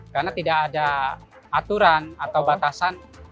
karena tidak ada aturan atau batasan